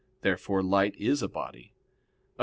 "Therefore light is a body. Obj.